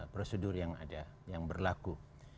prosedur yang ada yang berlaku